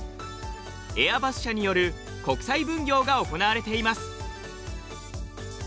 エアバス社による国際分業が行われています。